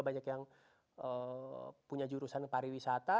banyak yang punya jurusan pariwisata